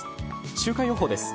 週間予報です。